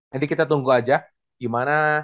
jadi kita tunggu aja gimana